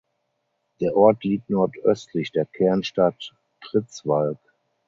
Der Ort liegt nordöstlich der Kernstadt Pritzwalk.